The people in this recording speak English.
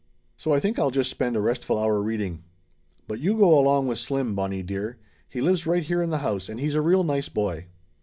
So I think I'll just spend a restful hour reading. But you go along with Slim, Bonnie dear! He lives right here in the house and he's a real nice boy